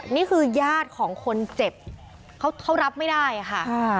นี่คือญาติของคนเจ็บเขารับไม่ได้ค่ะ